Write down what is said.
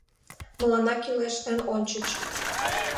Мыланна кӱлеш эн ончыч.